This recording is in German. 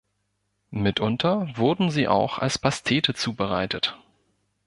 Mitunter wurden sie auch als Pastete zubereitet.